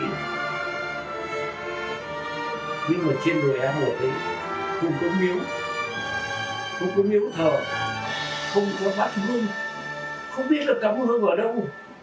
nhưng mà trên đội a một ấy không có miễu không có miễu thợ không có bắt ngưng không biết là cấm hương ở đâu